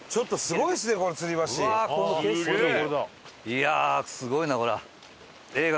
いやあすごいなこれは。